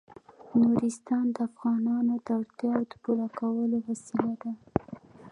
نورستان د افغانانو د اړتیاوو د پوره کولو وسیله ده.